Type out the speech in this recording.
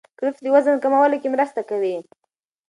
کرفس د وزن کمولو کې مرسته کوي.